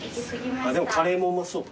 でもカレーもうまそう。